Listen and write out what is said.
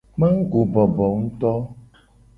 Mago bobo nguto.